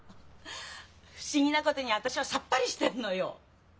不思議なことに私はさっぱりしてんのよ。